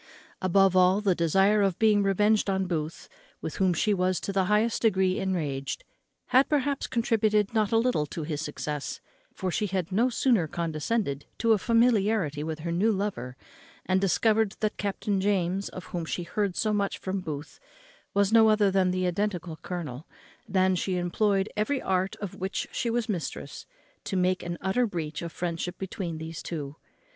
Above all, the desire of being revenged on Booth, with whom she was to the highest degree enraged, had, perhaps, contributed not a little to his success; for she had no sooner condescended to a familiarity with her new lover, and discovered that Captain James, of whom she had heard so much from Booth, was no other than the identical colonel, than she employed every art of which she was mistress to make an utter breach of friendship between these two.